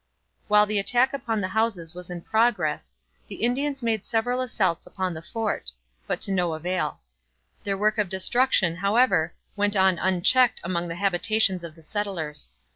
While the attack upon the houses was in progress, the Indians made several assaults upon the fort, but to no avail. Their work of destruction, however, went on unchecked among the habitations of the settlers.